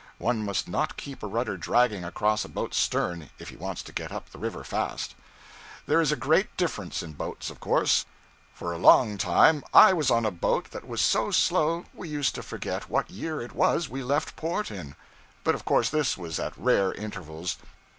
One must not keep a rudder dragging across a boat's stem if he wants to get up the river fast. There is a great difference in boats, of course. For a long time I was on a boat that was so slow we used to forget what year it was we left port in. But of course this was at rare intervals.